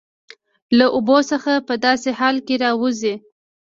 له اوبو څخه په داسې حال کې راوځي